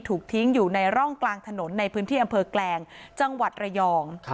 ถูกทิ้งอยู่ในร่องกลางถนนในพื้นที่อำเภอแกลงจังหวัดระยอง